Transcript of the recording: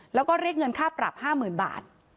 แล้วก็เรียกเงินค่าปรับ๕๐๐๐บาท